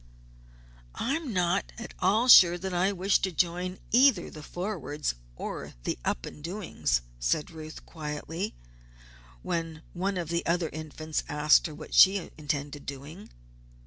"I am not at all sure that I wish to join either the Forwards or the Up and Doings," said Ruth, quietly, when one of the other Infants asked her what she intended doing.